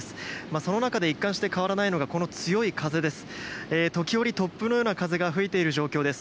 その中で一貫して変わらないのがこの強い風です。